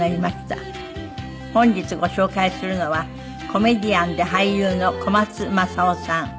本日ご紹介するのはコメディアンで俳優の小松政夫さん